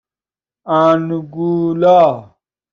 آنگولا